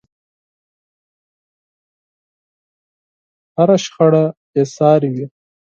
هره شخړه بې سارې وي.